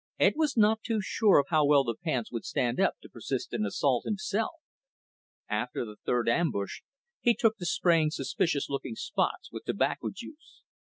Ed was not too sure of how well the pants would stand up to persistent assault himself. After the third ambush, he took to spraying suspicious looking spots with tobacco juice.